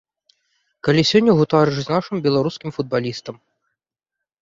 Калі сёння гутарыш з нашым беларускім футбалістам.